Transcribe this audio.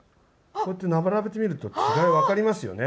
こうやって並べてみると違いが分かりますよね。